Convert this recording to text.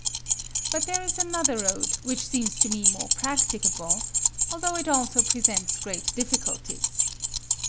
But there is another road, which seems to me more practicable, although it also presents great difficulties.